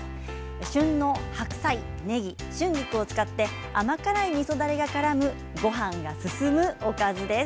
旬の白菜、ねぎ、春菊を使って甘辛いみそだれがからむごはんが進む、おかずです。